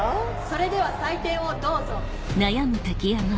それでは採点をどうぞ。